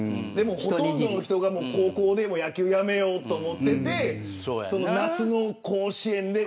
ほとんどの人が高校で野球やめようと思っていて夏の甲子園で。